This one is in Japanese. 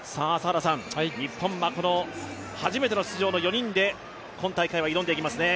日本は初めての出場の４人で今大会は挑んでいきますね。